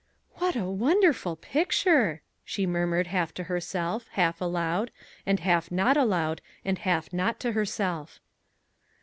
"What a wonderful picture!" she murmured half to herself, half aloud, and half not aloud and half not to herself.